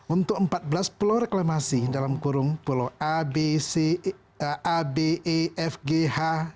untuk empat belas pulau reklamasi dalam kurung pulau a b c a b e f g h